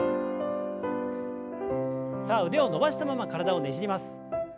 さあ腕を伸ばしたまま体をねじります。